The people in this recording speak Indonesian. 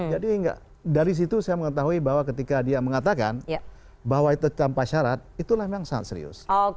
jadi dari situ saya mengetahui bahwa ketika dia mengatakan bahwa itu tanpa syarat itu memang sangat serius